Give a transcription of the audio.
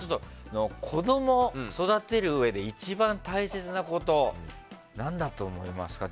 子供を育てるうえで一番大切なことは何だと思いますか？